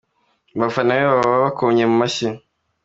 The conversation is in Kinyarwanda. Abafana be baba bakomye mu mashyi.